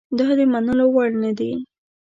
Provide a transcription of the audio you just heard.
دا د منلو وړ نه دي.